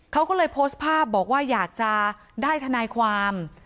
เขาก็เลยโพสต์ภาพบอกว่าอยากจะได้ทนายความ